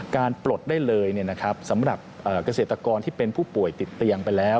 ปลดได้เลยสำหรับเกษตรกรที่เป็นผู้ป่วยติดเตียงไปแล้ว